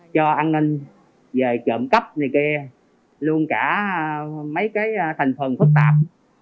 cho an ninh về trộm cắp này kia luôn cả mấy cái thành phần phức tạp